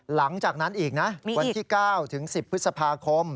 หลังจากนั้นอีกนะวันที่๙ถึง๑๐พฤษภาคม